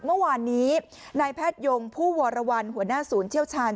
เมื่อวานนี้นายแพทยงผู้วรวรรณหัวหน้าศูนย์เชี่ยวชาญ